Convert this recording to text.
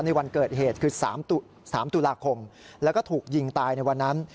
ในวันเกิดเหตุคือ๓ตุลาคมแล้วก็ถูกยิงตายในวันนั้น